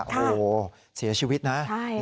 โหเสียชีวิตนะ